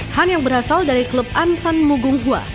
han yang berasal dari klub ansan mugunghwa